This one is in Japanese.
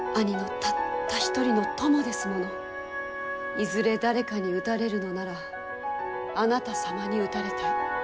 いずれ誰かに討たれるのならあなた様に討たれたい。